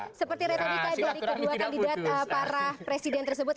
ya seperti retorika dari kedua kandidat para presiden tersebut